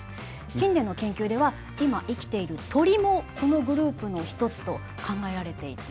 近年の研究では今生きている鳥もこのグループの一つと考えられていて。